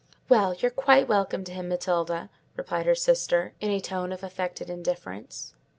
"Well, you're quite welcome to him, Matilda," replied her sister, in a tone of affected indifference.